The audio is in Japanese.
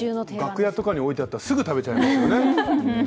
楽屋とかに置いてあったら、すぐ食べちゃいますよね。